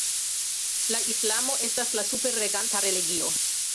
La islamo estas la superreganta religio.